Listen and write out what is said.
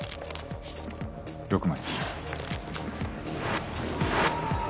６枚。